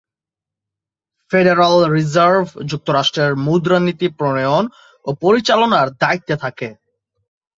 Federal Reserve যুক্তরাষ্ট্রের মুদ্রানীতি প্রণয়ন ও পরিচালনার দায়িত্বে থাকে।